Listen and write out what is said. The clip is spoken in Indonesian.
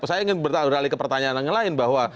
saya ingin beralih ke pertanyaan yang lain bahwa